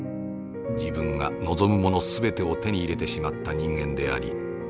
自分が望むもの全てを手に入れてしまった人間であり